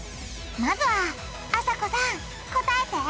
まずはあさこさん答えて！